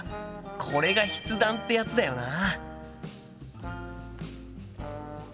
これが筆談ってやつだよな。